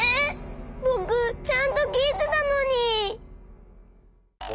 ぼくちゃんときいてたのに。